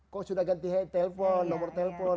kok sudah ganti telpon nomor telepon